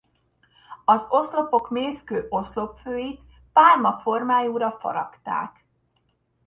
Az oszlopok mészkő oszlopfőit pálma formájúra faragták.